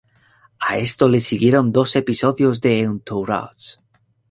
A esto le siguieron dos episodios de "Entourage".